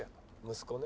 「息子ね」